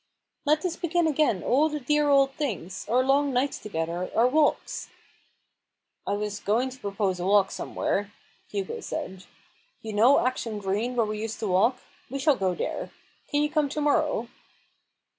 " Let us begin again all the dear old things — our long nights together, our walks." hugo raven's hand. 155 " I was going to propose a walk somewhere," Hugo said. " You know Acton Green where we used to walk ; we shall go there. Can you come to morrow